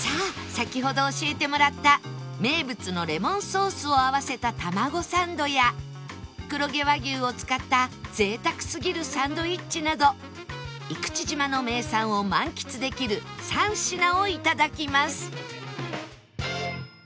先ほど教えてもらった名物のレモンソースを合わせたタマゴサンドや黒毛和牛を使った贅沢すぎるサンドイッチなど生口島の名産を満喫できる３品を頂きます